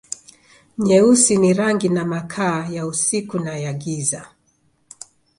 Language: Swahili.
Nyeusi ni rangi na makaa, ya usiku na ya giza.